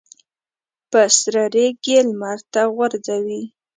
په سره ریګ یې لمر ته غورځوي.